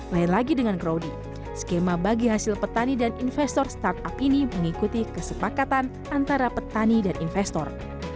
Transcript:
lain lagi dengan crowdy skema bagi hasil petani dan investor startup ini mengikuti kesepakatan antara petani dan investor